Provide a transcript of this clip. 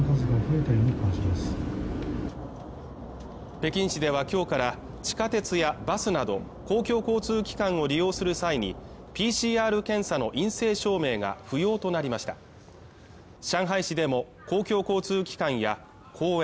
北京市ではきょうから地下鉄やバスなど公共交通機関を利用する際にＰＣＲ検査の陰性証明が不要となりました上海市でも公共交通機関や公園